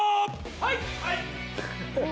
はい！